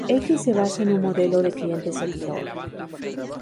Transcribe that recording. X se basa en un modelo de cliente-servidor.